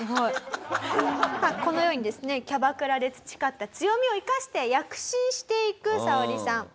このようにですねキャバクラで培った強みを生かして躍進していくサオリさん。